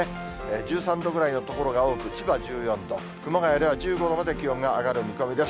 １３度ぐらいの所が多く、千葉１４度、熊谷では１５度まで気温が上がる見込みです。